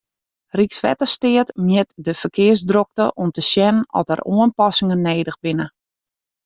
Rykswettersteat mjit de ferkearsdrokte om te sjen oft der oanpassingen nedich binne.